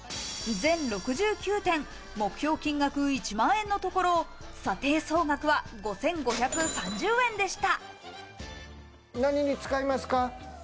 全６９点、目標金額１万円のところ、査定総額は５５３０円でした。